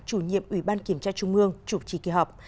chủ nhiệm ủy ban kiểm tra trung ương chủ trì kỳ họp